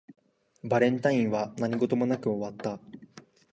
バレンタインは何事もなく終わった